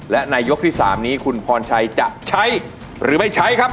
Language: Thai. และในยกที่๓นี้คุณพรชัยจะใช้หรือไม่ใช้ครับ